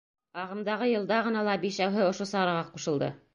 Ағымдағы йылда ғына ла бишәүһе ошо сараға ҡушылды.